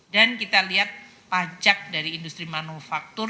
dan kita lihat pajak dari industri manufaktur